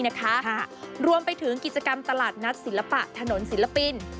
นะคะรวมไปถึงกิจกรรมตลาดนัดศิลปะถนนศิลปิน